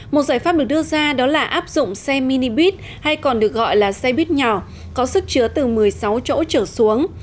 một giải pháp được đưa ra đó là áp dụng xe minibit hay còn được gọi là xe buýt nhỏ có sức chứa từ một mươi sáu chỗ trở xuống